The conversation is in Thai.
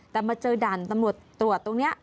แต่มาเจอด่านตำรวจตรวจตรงนี้